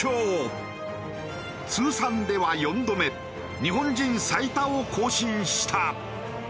通算では４度目。日本人最多を更新した。